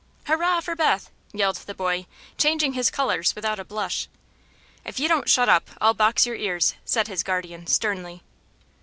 "Hurrah for Beth!" yelled the boy, changing his colors without a blush. "If you don't shut up, I'll box your ears," said his guardian, sternly.